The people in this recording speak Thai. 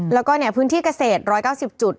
แล้วก็พื้นที่เกษตร๑๙๐จุด